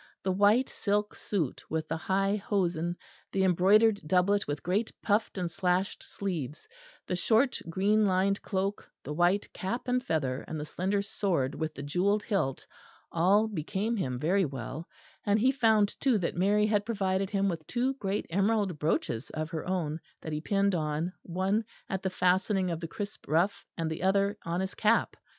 The white silk suit with the high hosen, the embroidered doublet with great puffed and slashed sleeves, the short green lined cloak, the white cap and feather, and the slender sword with the jewelled hilt, all became him very well; and he found too that Mary had provided him with two great emerald brooches of her own, that he pinned on, one at the fastening of the crisp ruff and the other on his cap.